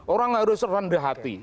orang harus rendah hati